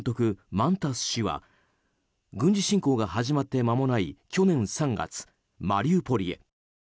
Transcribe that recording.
マンタス氏は軍事侵攻が始まって間もない去年３月、マリウポリへ。